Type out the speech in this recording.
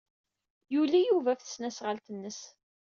Yuli Yuba ɣef tesnasɣalt-nnes.